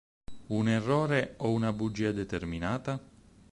Un errore o una bugia determinata?